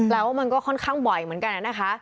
แล้วมันก็ค่อนข้างบ่อยเหมือนกันนะคะ